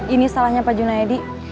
ini salahnya pak junaedi